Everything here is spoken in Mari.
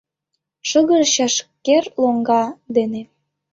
Шыгыр чашкер лоҥга дене